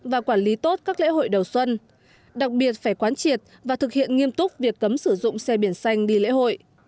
và quản lý tốt các lễ hội đầu xuân đặc biệt phải quán triệt và thực hiện nghiêm túc việc cấm sử dụng xe biển xanh đi lễ hội